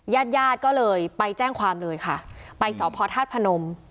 ญาติได้เลยไปแจ้งความเลยค่ะไปสภธาตุพนม